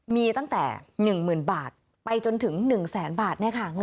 มีตั้งแต่๑๐๐๐บาทไปจนถึง๑แสนบาท